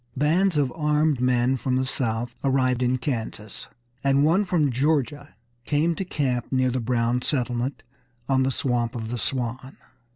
Bands of armed men from the South arrived in Kansas, and one from Georgia came to camp near the Brown settlement on the Swamp of the Swan.